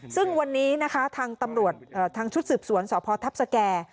ซึ่งวันนี้นะคะทางชุดสืบสวนสธับสแก่